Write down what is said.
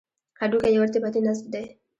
هډوکی یو ارتباطي نسج دی.